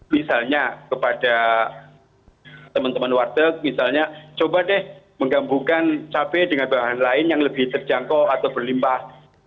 misalnya kepada teman teman warteg misalnya coba deh menggambungkan cabai dengan bahan lain yang lebih terjangkau atau berlimpah